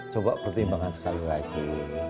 coba pertimbangan sekali lagi